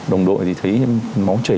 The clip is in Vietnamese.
đồng đội thì thấy máu chết